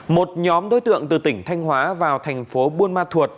một nhóm đối tượng từ tỉnh thanh hóa vào thành phố buôn ma thuột